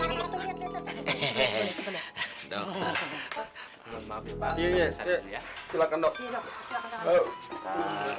memang intol gan itu ah dimartin loceng ini parenthesis pak